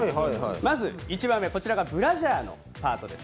まず１枚目、ブラジャーのパートです。